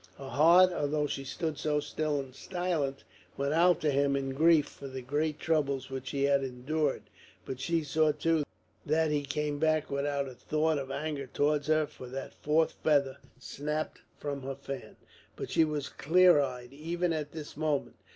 Her heart, although she stood so still and silent, went out to him in grief for the great troubles which he had endured; but she saw, too, that he came back without a thought of anger towards her for that fourth feather snapped from her fan. But she was clear eyed even at this moment.